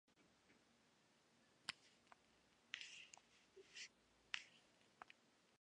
Actualmente dirige a San Martín de San Juan.